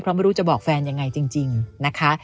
เพราะไม่รู้จะบอกแฟนยังไงจริงนะคะ